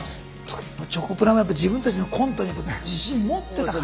チョコプラもやっぱ自分たちのコントに自信持ってたから。